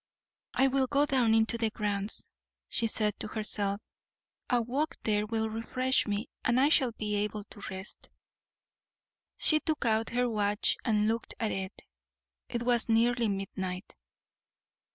"I will go down into the grounds," she said to herself; "a walk there will refresh me, and I shall be able to rest." She took out her watch and looked at it; it was nearly midnight.